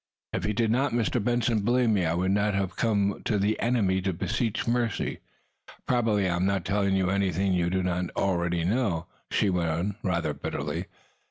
"If he did not, Mr. Benson, believe me I would never come to the enemy to beseech mercy. Probably I am not telling you anything you do not already know," she went on, rather bitterly.